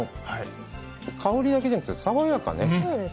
香りだけじゃなくて、爽やかね。